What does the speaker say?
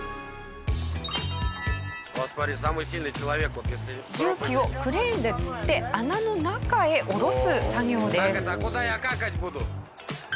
ここからは重機をクレーンでつって穴の中へ下ろす作業です。